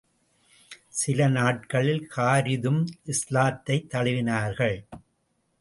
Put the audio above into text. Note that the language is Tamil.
சில நாட்களில் ஹாரிதும் இஸ்லாத்தைத் தழுவினார்கள்.